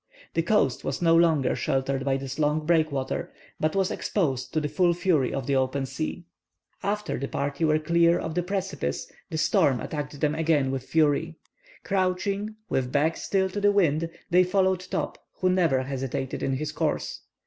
The coast was no longer sheltered by this long breakwater, but was exposed to the full fury of the open sea. After the party were clear of the precipice the storm attacked them again with fury. Crouching, with backs still to the wind, they followed Top, who never hesitated in his course.